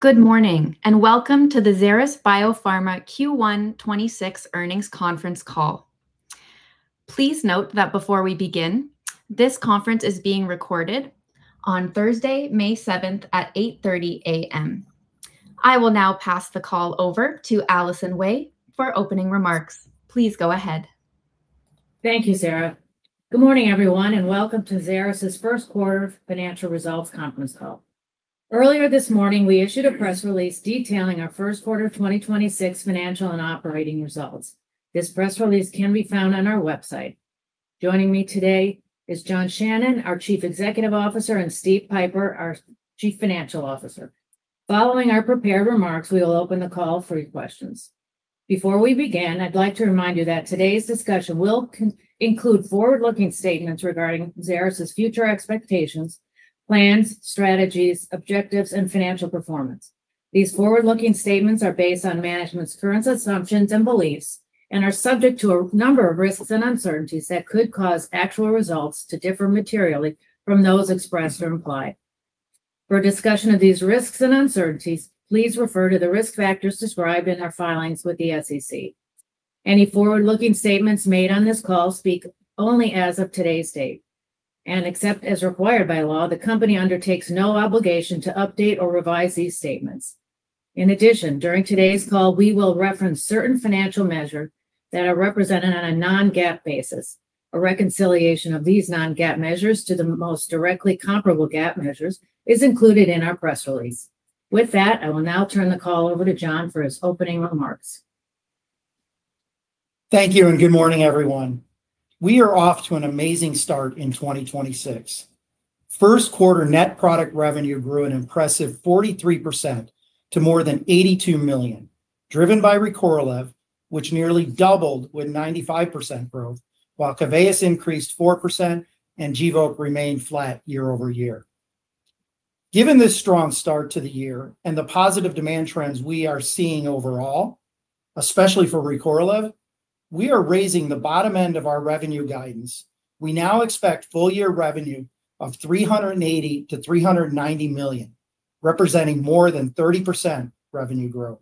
Good morning. Welcome to the Xeris Biopharma Q1 2026 Earnings Conference Call. Please note that before we begin, this conference is being recorded on Thursday, May 7th at 8:30 A.M. I will now pass the call over to Allison Wey for opening remarks. Please go ahead. Thank you, Sarah. Good morning, everyone, and welcome to Xeris' first quarter financial results conference call. Earlier this morning, we issued a press release detailing our first quarter 2026 financial and operating results. This press release can be found on our website. Joining me today is John Shannon, our Chief Executive Officer, and Steve Pieper, our Chief Financial Officer. Following our prepared remarks, we will open the call for your questions. Before we begin, I'd like to remind you that today's discussion will include forward-looking statements regarding Xeris' future expectations, plans, strategies, objectives, and financial performance. These forward-looking statements are based on management's current assumptions and beliefs and are subject to a number of risks and uncertainties that could cause actual results to differ materially from those expressed or implied. For a discussion of these risks and uncertainties, please refer to the risk factors described in our filings with the SEC. Any forward-looking statements made on this call speak only as of today's date. Except as required by law, the company undertakes no obligation to update or revise these statements. In addition, during today's call, we will reference certain financial measure that are represented on a non-GAAP basis. A reconciliation of these non-GAAP measures to the most directly comparable GAAP measures is included in our press release. With that, I will now turn the call over to John for his opening remarks. Thank you. Good morning, everyone. We are off to an amazing start in 2026. First quarter net product revenue grew an impressive 43% to more than $82 million, driven by RECORLEV, which nearly doubled with 95% growth, while KEVEYIS increased 4% and GVOKE remained flat year-over-year. Given this strong start to the year and the positive demand trends we are seeing overall, especially for RECORLEV, we are raising the bottom end of our revenue guidance. We now expect full year revenue of $380 million-$390 million, representing more than 30% revenue growth.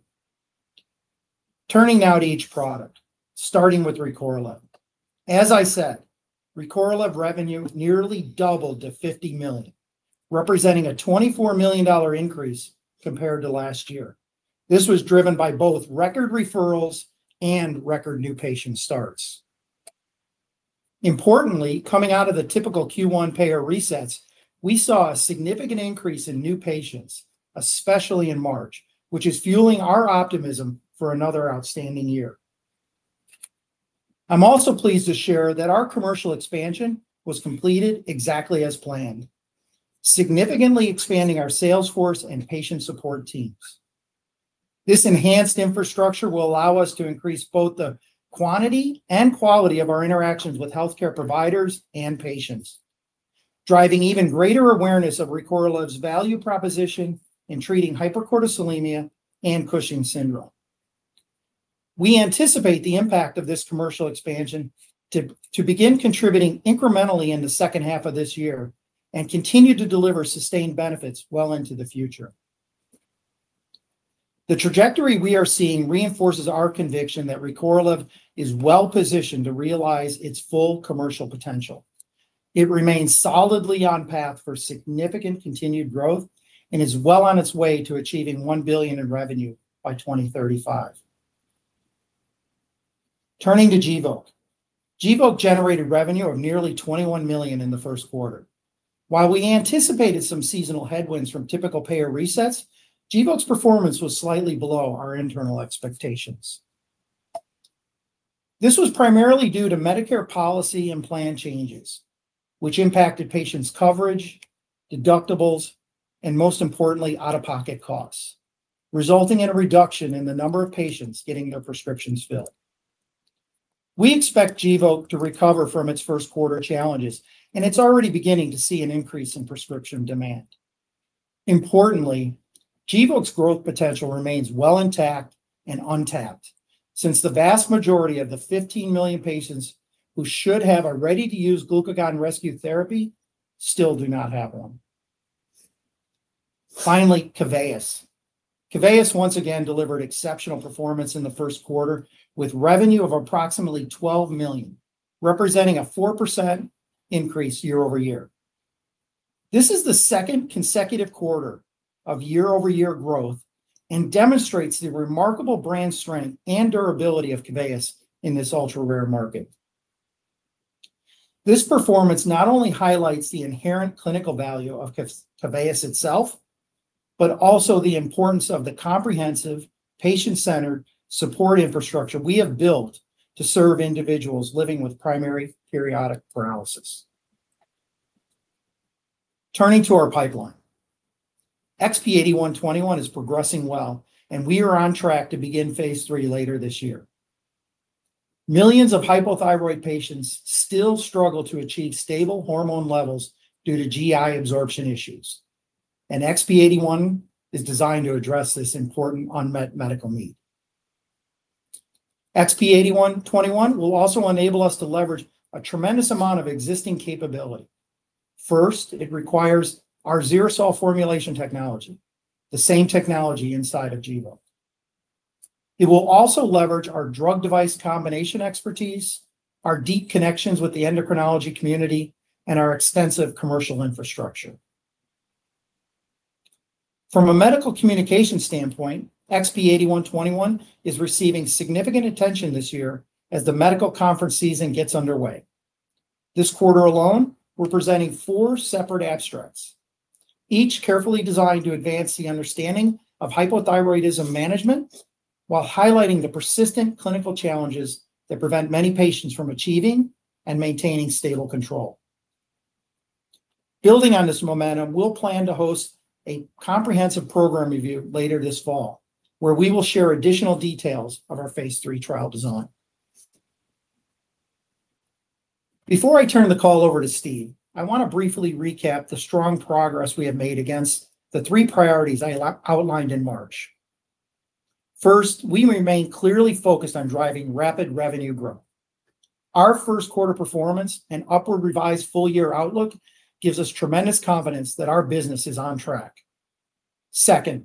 Turning now to each product, starting with RECORLEV. As I said, RECORLEV revenue nearly doubled to $50 million, representing a $24 million increase compared to last year. This was driven by both record referrals and record new patient starts. Importantly, coming out of the typical Q1 payer resets, we saw a significant increase in new patients, especially in March, which is fueling our optimism for another outstanding year. I'm also pleased to share that our commercial expansion was completed exactly as planned, significantly expanding our sales force and patient support teams. This enhanced infrastructure will allow us to increase both the quantity and quality of our interactions with healthcare providers and patients, driving even greater awareness of RECORLEV's value proposition in treating hypercortisolemia and Cushing's syndrome. We anticipate the impact of this commercial expansion to begin contributing incrementally in the second half of this year and continue to deliver sustained benefits well into the future. The trajectory we are seeing reinforces our conviction that RECORLEV is well-positioned to realize its full commercial potential. It remains solidly on path for significant continued growth and is well on its way to achieving $1 billion in revenue by 2035. Turning to GVOKE. GVOKE generated revenue of nearly $21 million in the first quarter. While we anticipated some seasonal headwinds from typical payer resets, GVOKE's performance was slightly below our internal expectations. This was primarily due to Medicare policy and plan changes, which impacted patients' coverage, deductibles, and most importantly, out-of-pocket costs, resulting in a reduction in the number of patients getting their prescriptions filled. We expect GVOKE to recover from its first quarter challenges, it's already beginning to see an increase in prescription demand. Importantly, GVOKE's growth potential remains well intact and untapped since the vast majority of the 15 million patients who should have a ready-to-use glucagon rescue therapy still do not have one. Finally, KEVEYIS. KEVEYIS once again delivered exceptional performance in the first quarter with revenue of approximately $12 million, representing a 4% increase year-over-year. This is the second consecutive quarter of year-over-year growth and demonstrates the remarkable brand strength and durability of KEVEYIS in this ultra-rare market. This performance not only highlights the inherent clinical value of KEVEYIS itself, but also the importance of the comprehensive patient-centered support infrastructure we have built to serve individuals living with primary periodic paralysis. Turning to our pipeline. XP-8121 is progressing well, and we are on track to begin phase III later this year. Millions of hypothyroid patients still struggle to achieve stable hormone levels due to GI absorption issues, and XP-8121 is designed to address this important unmet medical need. XP-8121 will also enable us to leverage a tremendous amount of existing capability. First, it requires our XeriSol formulation technology, the same technology inside of GVOKE. It will also leverage our drug device combination expertise, our deep connections with the endocrinology community, and our extensive commercial infrastructure. From a medical communication standpoint, XP-8121 is receiving significant attention this year as the medical conference season gets underway. This quarter alone, we're presenting four separate abstracts, each carefully designed to advance the understanding of hypothyroidism management while highlighting the persistent clinical challenges that prevent many patients from achieving and maintaining stable control. Building on this momentum, we'll plan to host a comprehensive program review later this fall, where we will share additional details of our phase III trial design. Before I turn the call over to Steve, I want to briefly recap the strong progress we have made against the three priorities I outlined in March. First, we remain clearly focused on driving rapid revenue growth. Our first quarter performance and upward revised full year outlook gives us tremendous confidence that our business is on track. Second,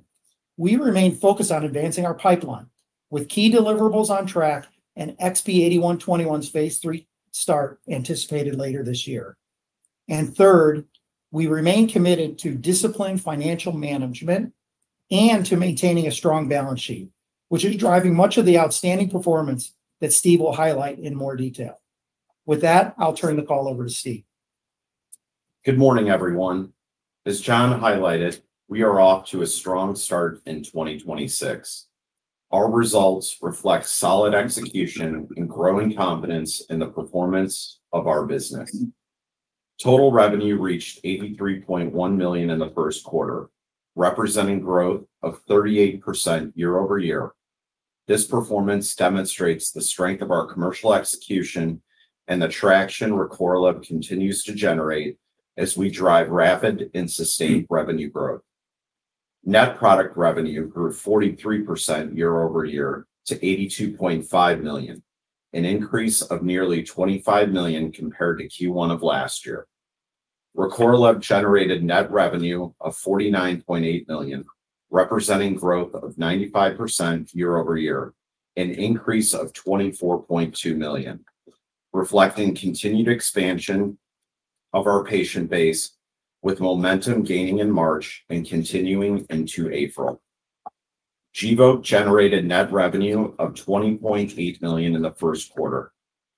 we remain focused on advancing our pipeline with key deliverables on track and XP-8121's phase III start anticipated later this year. Third, we remain committed to disciplined financial management and to maintaining a strong balance sheet, which is driving much of the outstanding performance that Steve will highlight in more detail. With that, I'll turn the call over to Steve. Good morning, everyone. As John highlighted, we are off to a strong start in 2026. Our results reflect solid execution and growing confidence in the performance of our business. Total revenue reached $83.1 million in the first quarter, representing growth of 38% year-over-year. This performance demonstrates the strength of our commercial execution and the traction RECORLEV continues to generate as we drive rapid and sustained revenue growth. Net product revenue grew 43% year-over-year to $82.5 million, an increase of nearly $25 million compared to Q1 of last year. RECORLEV generated net revenue of $49.8 million, representing growth of 95% year-over-year, an increase of $24.2 million, reflecting continued expansion of our patient base, with momentum gaining in March and continuing into April. GVOKE generated net revenue of $20.8 million in the first quarter,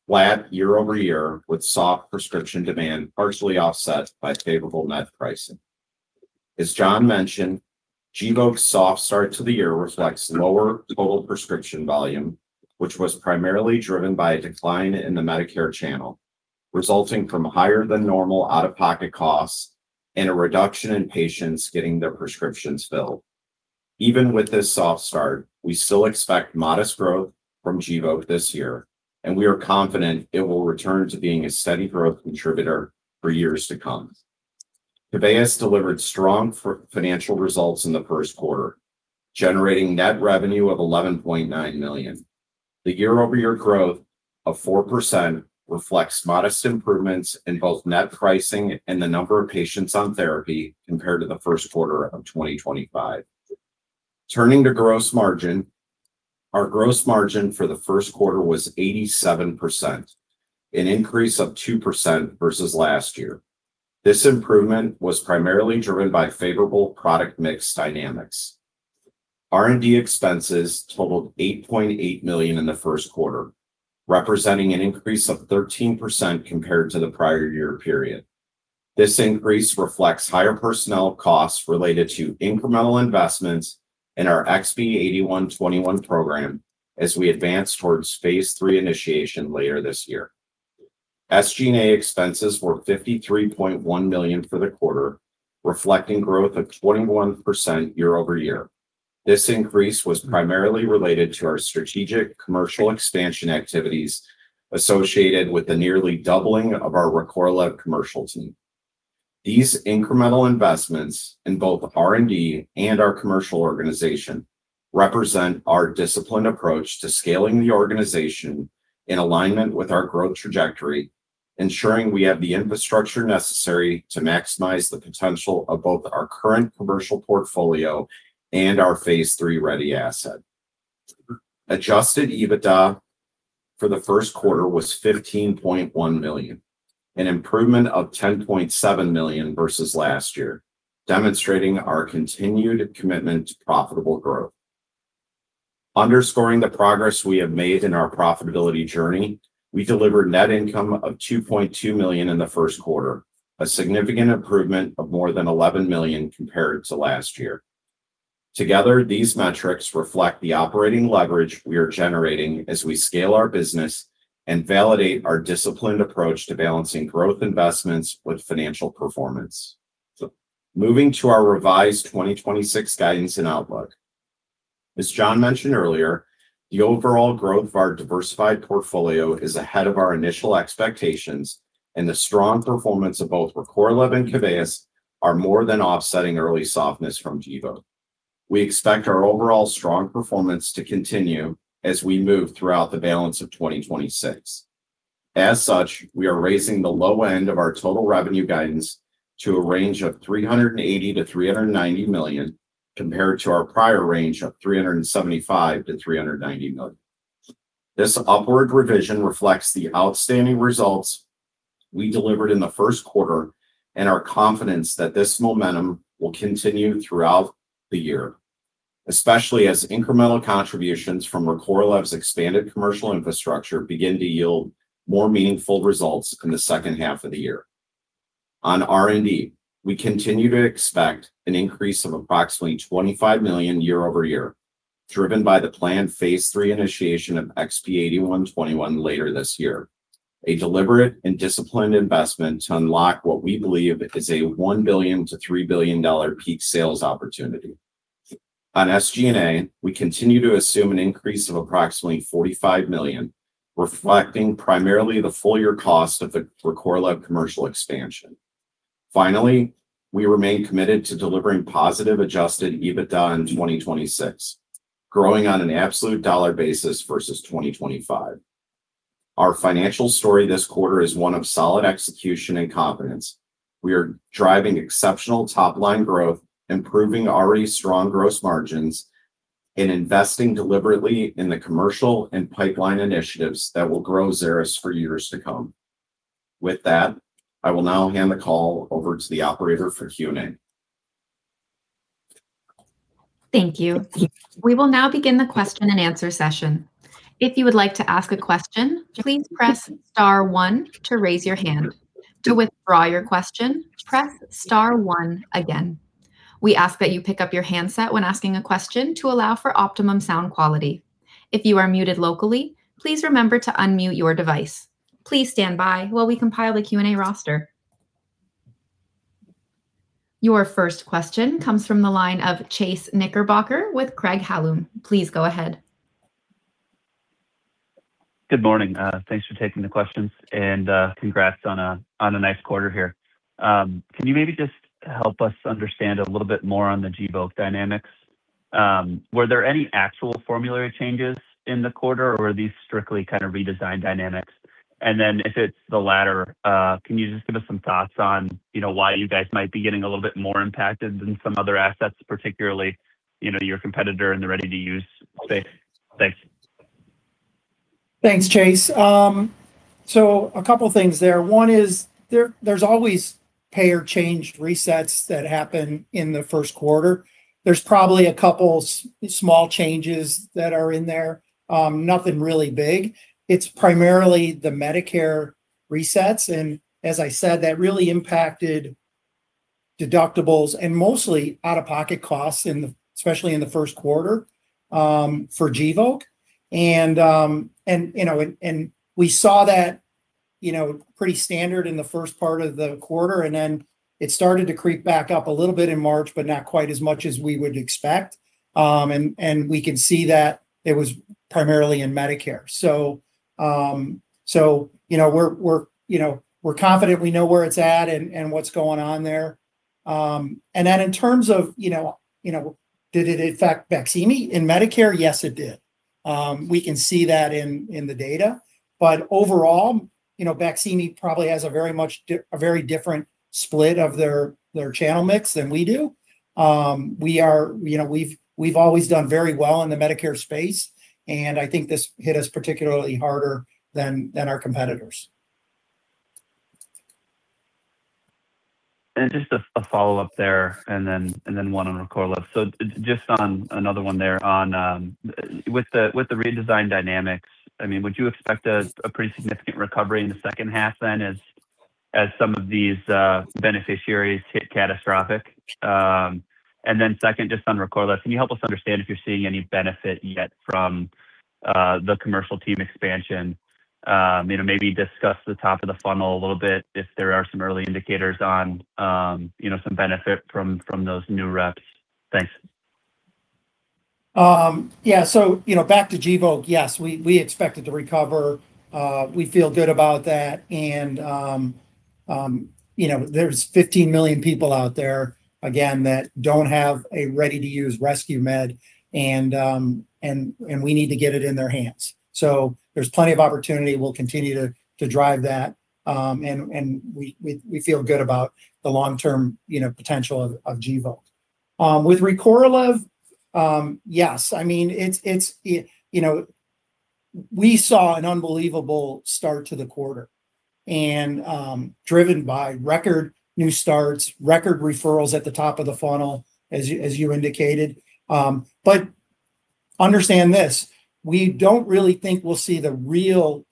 flat year-over-year, with soft prescription demand partially offset by favorable net pricing. As John mentioned, GVOKE's soft start to the year reflects lower total prescription volume, which was primarily driven by a decline in the Medicare channel, resulting from higher than normal out-of-pocket costs and a reduction in patients getting their prescriptions filled. Even with this soft start, we still expect modest growth from GVOKE this year, and we are confident it will return to being a steady growth contributor for years to come. KEVEYIS delivered strong financial results in the first quarter, generating net revenue of $11.9 million. The year-over-year growth of 4% reflects modest improvements in both net pricing and the number of patients on therapy compared to the first quarter of 2025. Turning to gross margin, our gross margin for the first quarter was 87%, an increase of 2% versus last year. This improvement was primarily driven by favorable product mix dynamics. R&D expenses totaled $8.8 million in the first quarter, representing an increase of 13% compared to the prior year period. This increase reflects higher personnel costs related to incremental investments in our XP-8121 program as we advance towards phase III initiation later this year. SG&A expenses were $53.1 million for the quarter, reflecting growth of 21% year-over-year. This increase was primarily related to our strategic commercial expansion activities associated with the nearly doubling of our RECORLEV commercial team. These incremental investments in both R&D and our commercial organization represent our disciplined approach to scaling the organization in alignment with our growth trajectory, ensuring we have the infrastructure necessary to maximize the potential of both our current commercial portfolio and our phase III-ready asset. Adjusted EBITDA for the first quarter was $15.1 million, an improvement of $10.7 million versus last year, demonstrating our continued commitment to profitable growth. Underscoring the progress we have made in our profitability journey, we delivered net income of $2.2 million in the first quarter, a significant improvement of more than $11 million compared to last year. Together, these metrics reflect the operating leverage we are generating as we scale our business and validate our disciplined approach to balancing growth investments with financial performance. Moving to our revised 2026 guidance and outlook. As John mentioned earlier, the overall growth of our diversified portfolio is ahead of our initial expectations, and the strong performance of both RECORLEV and KEVEYIS are more than offsetting early softness from GVOKE. We expect our overall strong performance to continue as we move throughout the balance of 2026. As such, we are raising the low end of our total revenue guidance to a range of $380 million-$390 million, compared to our prior range of $375 million-$390 million. This upward revision reflects the outstanding results we delivered in the first quarter and our confidence that this momentum will continue throughout the year, especially as incremental contributions from RECORLEV's expanded commercial infrastructure begin to yield more meaningful results in the second half of the year. On R&D, we continue to expect an increase of approximately $25 million year-over-year, driven by the planned phase III initiation of XP-8121 later this year, a deliberate and disciplined investment to unlock what we believe is a $1 billion-$3 billion peak sales opportunity. On SG&A, we continue to assume an increase of approximately $45 million, reflecting primarily the full year cost of the RECORLEV commercial expansion. Finally, we remain committed to delivering positive Adjusted EBITDA in 2026, growing on an absolute dollar basis versus 2025. Our financial story this quarter is one of solid execution and confidence. We are driving exceptional top-line growth, improving already strong gross margins, and investing deliberately in the commercial and pipeline initiatives that will grow Xeris for years to come. With that, I will now hand the call over to the operator for Q&A. Thank you. We will now begin the question and answer session. If you would like to ask a question, please press star one to raise your hand. To withdraw your question, press star one again. We ask that you pick up your handset when asking a question to allow for optimum sound quality. If you are muted locally, please remember to unmute your device. Please stand by while we compile the Q&A roster. Your first question comes from the line of Chase Knickerbocker with Craig-Hallum. Please go ahead. Good morning. Thanks for taking the questions and congrats on a nice quarter here. Can you maybe just help us understand a little bit more on the GVOKE dynamics? Were there any actual formulary changes in the quarter or were these strictly kind of redesigned dynamics? If it's the latter, can you just give us some thoughts on, you know, why you guys might be getting a little bit more impacted than some other assets particularly, you know, to your competitor and the ready-to-use space? Thanks. Thanks, Chase. A couple things there. One is there's always pay or changed resets that happen in the first quarter. There's probably a couple small changes that are in there. Nothing really big. It's primarily the Medicare resets and as I said, that really impacted deductibles and mostly out-of-pocket costs in the, especially in the first quarter for GVOKE. And, you know, we saw that, you know, pretty standard in the first part of the quarter, and then it started to creep back up a little bit in March, but not quite as much as we would expect. And we can see that it was primarily in Medicare. You know, we're, you know, we're confident we know where it's at and what's going on there. In terms of, you know, you know, did it affect BAQSIMI in Medicare? Yes, it did. We can see that in the data. Overall, you know, BAQSIMI probably has a very much a very different split of their channel mix than we do. We are, you know, we've always done very well in the Medicare space, and I think this hit us particularly harder than our competitors. Just a follow-up there and then, and then one on RECORLEV. Just on another one there on, with the, with the redesign dynamics, I mean, would you expect a pretty significant recovery in the second half then as some of these, beneficiaries hit catastrophic? Then second, just on RECORLEV, can you help us understand if you're seeing any benefit yet from the commercial team expansion? You know, maybe discuss the top of the funnel a little bit if there are some early indicators on, you know, some benefit from those new reps. Thanks. So, you know, back to GVOKE, yes, we expect it to recover. We feel good about that and, you know, there's 15 million people out there, again, that don't have a ready-to-use rescue med, and we need to get it in their hands. There's plenty of opportunity. We'll continue to drive that. We feel good about the long-term, you know, potential of GVOKE. With RECORLEV, yes, I mean, you know, we saw an unbelievable start to the quarter and, driven by record new starts, record referrals at the top of the funnel, as you indicated. Understand this, we don't really think we'll see the real,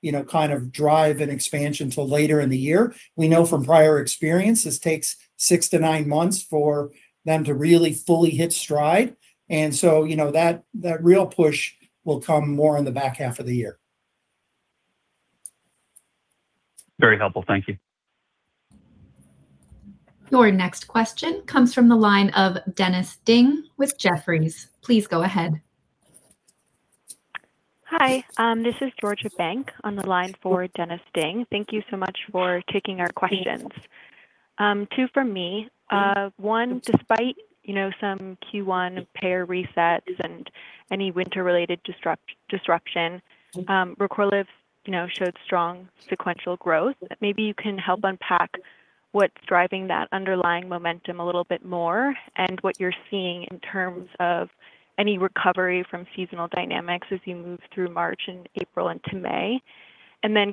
you know, drive and expansion till later in the year. We know from prior experience this takes 6-9 months for them to really fully hit stride. You know, that real push will come more in the back half of the year. Very helpful. Thank you. Your next question comes from the line of Dennis Ding with Jefferies. Please go ahead. Hi, this is Georgia Bank on the line for Dennis Ding. Thank you so much for taking our questions. two from me. One, despite, you know, some Q1 payer resets and any winter-related disruption, RECORLEV, you know, showed strong sequential growth. Maybe you can help unpack what's driving that underlying momentum a little bit more and what you're seeing in terms of any recovery from seasonal dynamics as you move through March and April into May.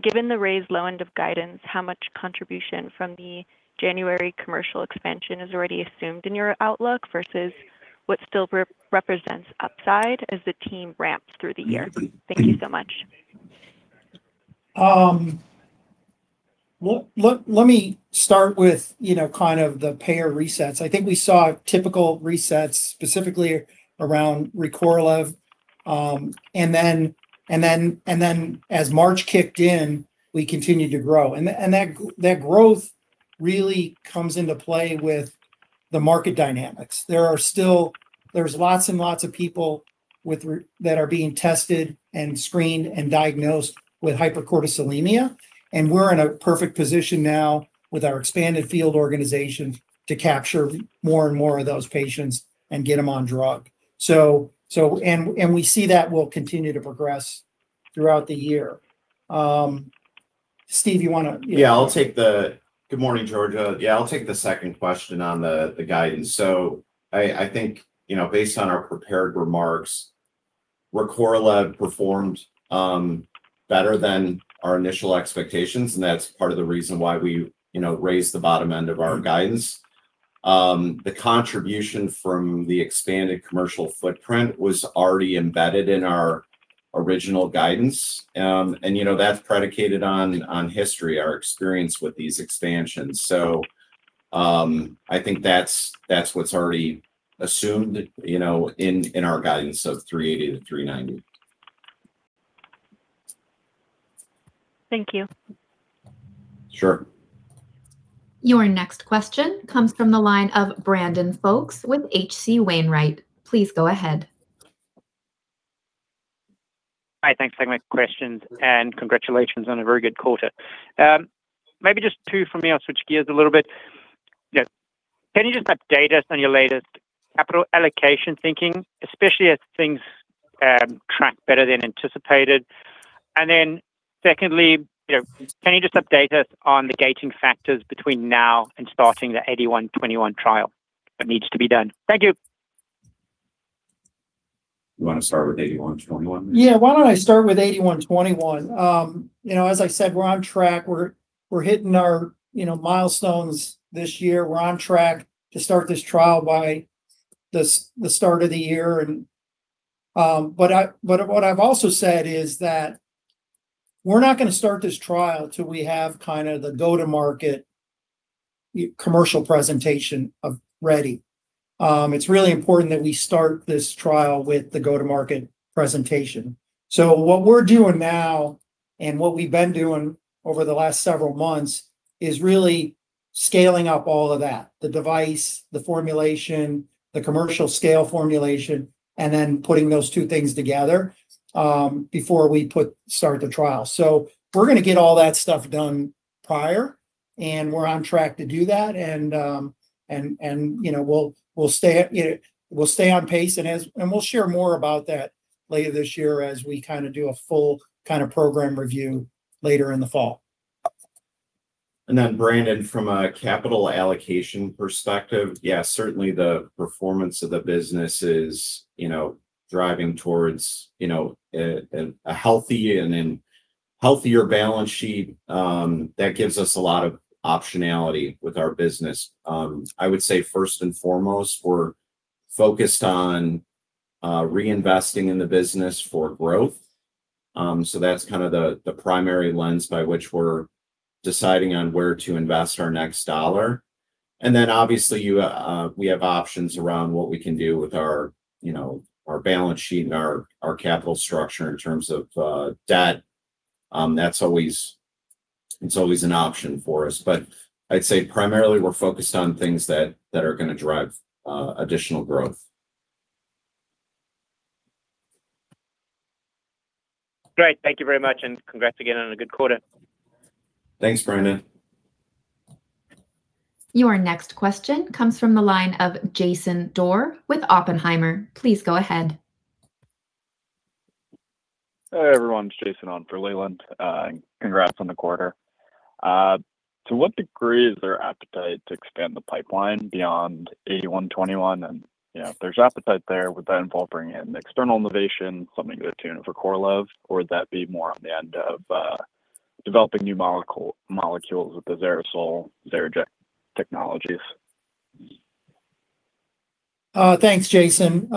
Given the raised low end of guidance, how much contribution from the January commercial expansion is already assumed in your outlook versus what still represents upside as the team ramps through the year? Thank you so much. Well, let me start with, you know, kind of the payer resets. I think we saw typical resets specifically around RECORLEV. As March kicked in, we continued to grow. That, and that growth really comes into play with the market dynamics. There's still lots and lots of people with that are being tested and screened and diagnosed with hypercortisolemia, and we're in a perfect position now with our expanded field organization to capture more and more of those patients and get them on drug. And we see that will continue to progress throughout the year. Steve, you wanna- Yeah, I will take that. Good morning, Georgia. I'll take the second question on the guidance. I think, you know, based on our prepared remarks, RECORLEV performed better than our initial expectations, and that's part of the reason why we, you know, raised the bottom end of our guidance. The contribution from the expanded commercial footprint was already embedded in our original guidance. You know, that's predicated on history, our experience with these expansions. I think that's what's already assumed, you know, in our guidance of $380 million-$390 million. Thank you. Sure. Your next question comes from the line of Brandon Folkes with H.C. Wainwright. Please go ahead. Hi, thanks for taking my questions, and congratulations on a very good quarter. Maybe just two from me. I'll switch gears a little bit. Yeah. Can you just update us on your latest capital allocation thinking, especially as things track better than anticipated? Secondly, you know, can you just update us on the gating factors between now and starting the XP-8121 trial that needs to be done? Thank you. You wanna start with XP-8121? Yeah, why don't I start with XP-8121? You know, as I said, we're on track. We're hitting our, you know, milestones this year. We're on track to start this trial by the start of the year. What I've also said is that we're not gonna start this trial till we have kinda the go-to-market commercial presentation of ready. It's really important that we start this trial with the go-to-market presentation. What we're doing now, and what we've been doing over the last several months, is really scaling up all of that, the device, the formulation, the commercial scale formulation, and then putting those two things together before we start the trial. We're gonna get all that stuff done prior, and we're on track to do that. You know, we'll stay, you know, we'll stay on pace, and we'll share more about that later this year as we kinda do a full kinda program review later in the fall. Brandon, from a capital allocation perspective, yeah, certainly the performance of the business is, you know, driving towards, you know, a healthy and an healthier balance sheet that gives us a lot of optionality with our business. I would say first and foremost, we're focused on reinvesting in the business for growth. That's kind of the primary lens by which we're deciding on where to invest our next dollar. Obviously, you we have options around what we can do with our, you know, our balance sheet and our capital structure in terms of debt. It's always an option for us. I'd say primarily we're focused on things that are gonna drive additional growth. Great. Thank you very much, and congrats again on a good quarter. Thanks, Brandon. Your next question comes from the line of Jason Dorr with Oppenheimer. Please go ahead. Hey, everyone. It's Jason on for Leland. Congrats on the quarter. To what degree is there appetite to expand the pipeline beyond XP-8121? You know, if there's appetite there, would that involve bringing in external innovation, something to the tune of RECORLEV? Would that be more on the end of developing new molecules with the XeriSol, XeriJect technologies? Thanks, Jason.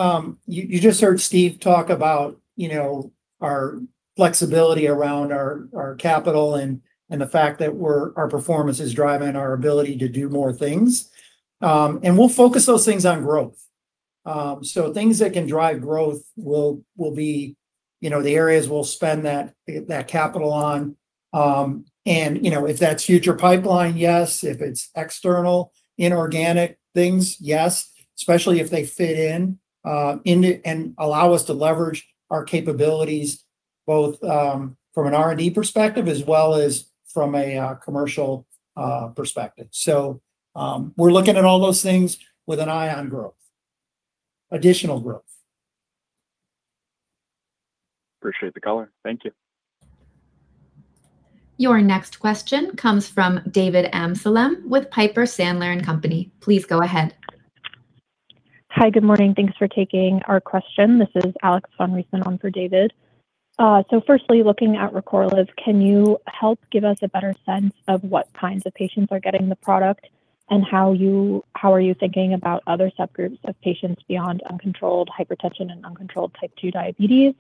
You just heard Steve talk about, you know, our flexibility around our capital and the fact that our performance is driving our ability to do more things. We'll focus those things on growth. Things that can drive growth will be, you know, the areas we'll spend that capital on. You know, if that's future pipeline, yes. If it's external inorganic things, yes, especially if they fit in and allow us to leverage our capabilities both from an R&D perspective as well as from a commercial perspective. We're looking at all those things with an eye on growth, additional growth. Appreciate the color. Thank you. Your next question comes from David Amsellem with Piper Sandler & Company. Please go ahead. Hi. Good morning. Thanks for taking our question. This is Alex von Reis on for David. So firstly, looking at RECORLEV, can you help give us a better sense of what kinds of patients are getting the product and how are you thinking about other subgroups of patients beyond uncontrolled hypertension and uncontrolled Type 2 diabetes?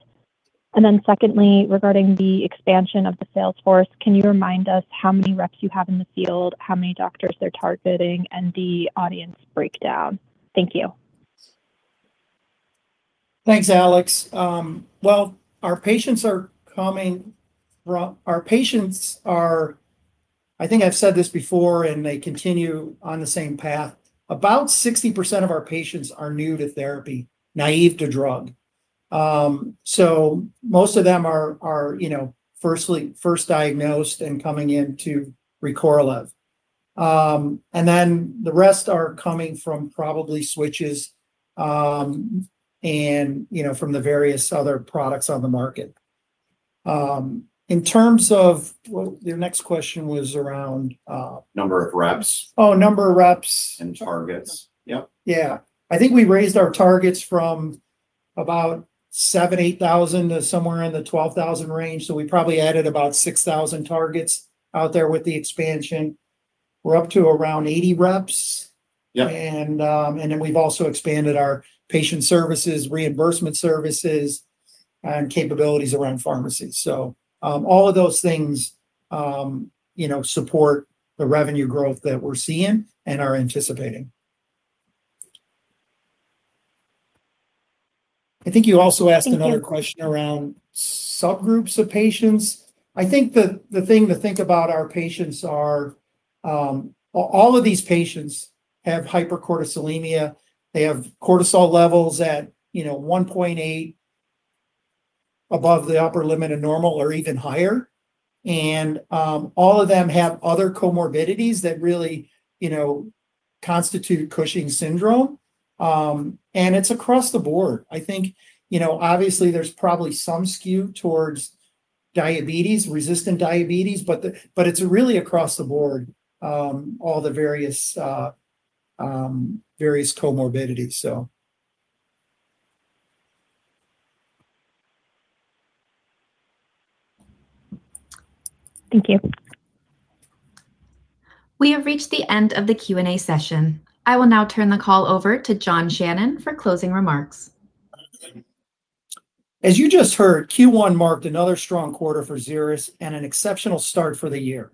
Secondly, regarding the expansion of the sales force, can you remind how many reps you have in the field, how many doctors they're targeting, and the audience breakdown? Thank you. Thanks, Alex. Well, our patients are I think I've said this before, and they continue on the same path. About 60% of our patients are new to therapy, naive to drug. Most of them are, you know, firstly first diagnosed and coming in to RECORLEV. The rest are coming from probably switches, and, you know, from the various other products on the market. In terms of Well, your next question was around. Number of reps. Oh, number of reps. Targets. Yep. Yeah. I think we raised our targets from about 7,000-8,000 to somewhere in the 12,000 range. We probably added about 6,000 targets out there with the expansion. We're up to around 80 reps. Yep. We've also expanded our patient services, reimbursement services and capabilities around pharmacies. All of those things, you know, support the revenue growth that we're seeing and are anticipating. Thank you. I think you also asked another question around subgroups of patients. I think the thing to think about our patients are, all of these patients have hypercortisolemia. They have cortisol levels at, you know, 1.8 above the upper limit of normal or even higher. All of them have other comorbidities that really, you know, constitute Cushing's syndrome. It's across the board. I think, you know, obviously there's probably some skew towards diabetes, resistant diabetes, but it's really across the board, all the various various comorbidities. Thank you. We have reached the end of the Q&A session. I will now turn the call over to John Shannon for closing remarks. As you just heard, Q1 marked another strong quarter for Xeris and an exceptional start for the year,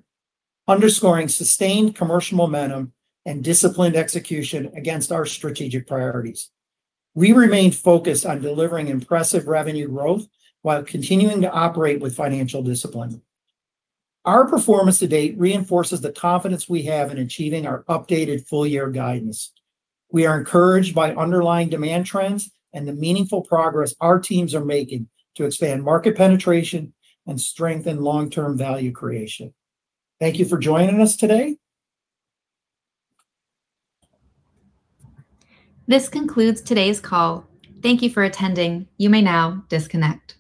underscoring sustained commercial momentum and disciplined execution against our strategic priorities. We remained focused on delivering impressive revenue growth while continuing to operate with financial discipline. Our performance to date reinforces the confidence we have in achieving our updated full year guidance. We are encouraged by underlying demand trends and the meaningful progress our teams are making to expand market penetration and strengthen long-term value creation. Thank you for joining us today. This concludes today's call. Thank you for attending. You may now disconnect.